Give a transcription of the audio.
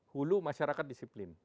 hulu masyarakat disiplin